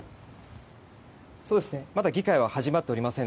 まだ議会は始まっておりません